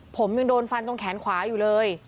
ผมยังโดนฟันตรงแขนขวาอยู่เลย